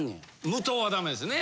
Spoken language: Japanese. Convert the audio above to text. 無糖はダメですね。